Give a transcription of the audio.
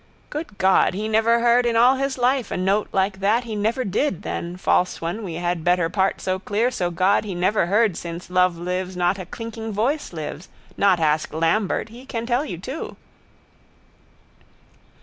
Good God he never heard in all his life a note like that he never did then false one we had better part so clear so God he never heard since love lives not a clinking voice lives not ask Lambert he can tell you too.